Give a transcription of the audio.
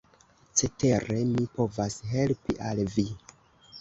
Cetere mi povas helpi al vi.